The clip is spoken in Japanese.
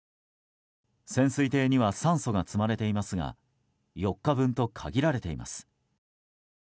潜水艇には酸素が積まれていますが４日分と限られています。